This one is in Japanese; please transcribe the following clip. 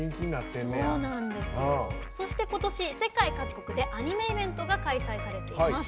そして、今年世界各国でアニメイベントが開催されています。